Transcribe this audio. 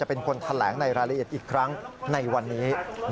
เป็นคนแถลงในรายละเอียดอีกครั้งในวันนี้